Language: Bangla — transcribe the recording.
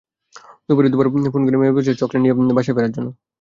দুপুরে দুবার ফোন করে মেয়ে বলেছে চকলেট নিয়ে বাসায় ফেরার জন্য।